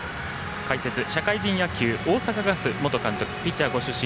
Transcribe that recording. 解説、社会人野球大阪ガス元監督ピッチャーご出身